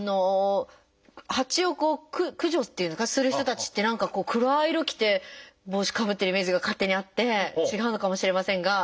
ハチを駆除っていうんですかする人たちって何かこう暗い色着て帽子かぶってるイメージが勝手にあって違うのかもしれませんが。